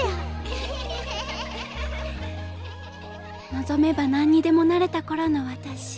・望めば何にでもなれた頃の私。